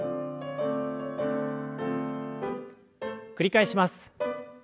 繰り返します。